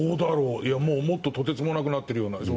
もっととてつもなくなっているような。